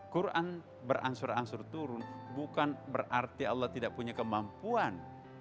quran berangsur angsur turun bukan berarti allah tidak punya kemampuan